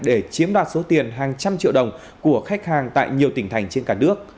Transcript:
để chiếm đoạt số tiền hàng trăm triệu đồng của khách hàng tại nhiều tỉnh thành trên cả nước